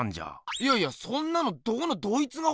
いやいやそんなのどこのどいつがほざいた？